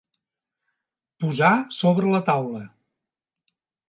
Posar sobre la taula.